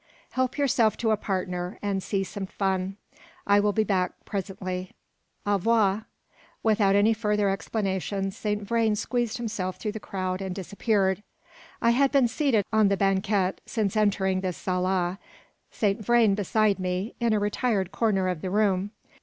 Help yourself to a partner, and see some tun. I will be back presently. Au revoir!" Without any further explanation, Saint Vrain squeezed himself through the crowd and disappeared. I had been seated on the banquette since entering the sala, Saint Vrain beside me, in a retired corner of the room.